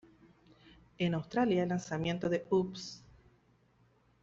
En Australia el lanzamiento de "Oops!...